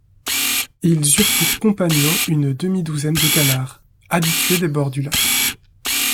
Ils eurent pour compagnons une demi-douzaine de canards, habitués des bords du lac.